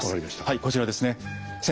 はいこちらですね。